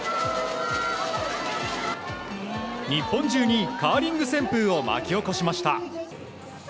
日本中にカーリング旋風を巻き起こしました。